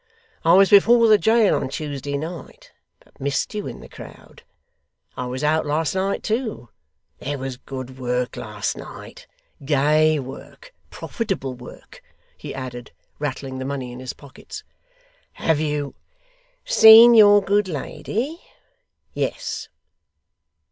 I was before the jail on Tuesday night, but missed you in the crowd. I was out last night, too. There was good work last night gay work profitable work' he added, rattling the money in his pockets. 'Have you ' 'Seen your good lady? Yes.